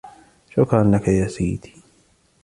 شكرا لك يا سيدي.